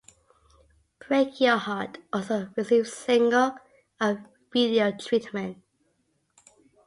"Break Your Heart" also received single and video treatment.